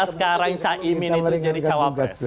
sekarang caimin itu jadi cawapres